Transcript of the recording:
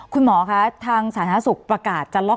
คุณหมอค่ะทางสถานสูตรประกาศจะสมบัติใจด้วยนะครับ